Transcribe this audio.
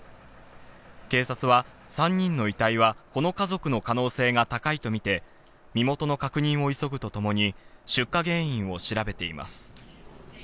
警察は３人の遺体はこの家族の可能性が高いとみて身元の確認を急ぐとともに出火原因を調べています。